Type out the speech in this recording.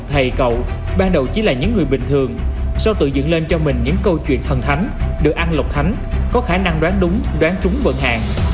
thầy cậu ban đầu chỉ là những người bình thường sau tự dựng lên cho mình những câu chuyện thần thánh được ăn lộc thánh có khả năng đoán đúng đoán trúng vận hạn